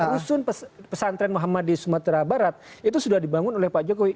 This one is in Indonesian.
rusun pesantren muhammad di sumatera barat itu sudah dibangun oleh pak jokowi